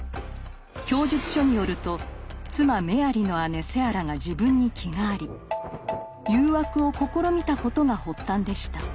供述書によると妻メアリの姉セアラが自分に気があり誘惑を試みたことが発端でした。